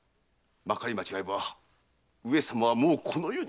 まかり間違えば上様はもうこの世には！